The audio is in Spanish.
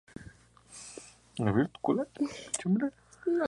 La teoría de los grupos de Lie estudia estas variedades con propiedades algebraicas.